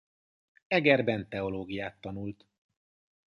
Egerben teológiát tanult.